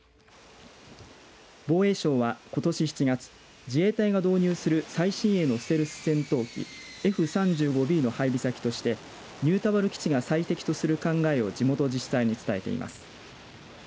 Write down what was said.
防衛省は、ことし７月自衛隊が導入する最新鋭のステルス戦闘機Ｆ３５Ｂの配備先として新田原基地が最適とする考えを地元自治体に伝えています。